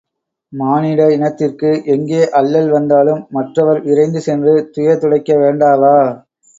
மானிட இனத்திற்கு எங்கே அல்லல் வந்தாலும் மற்றவர் விரைந்து சென்று துயர்துடைக்க வேண்டாவா?